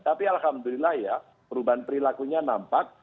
tapi alhamdulillah ya perubahan perilakunya nampak